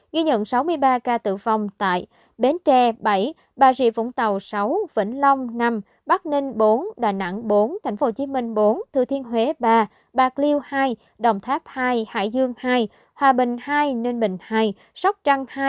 ghi nhận sáu mươi ba ca tử vong tại bến tre bảy bà rịa vũng tàu sáu vĩnh long năm bắc ninh bốn đà nẵng bốn thành phố hồ chí minh bốn thư thiên huế ba bạc liêu hai đồng tháp hai hải dương hai hòa bình hai ninh bình hai sóc trăng hai